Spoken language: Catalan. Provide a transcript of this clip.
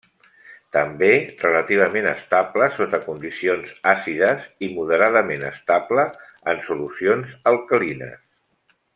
També relativament estable sota condicions àcides i moderadament estable en solucions alcalines.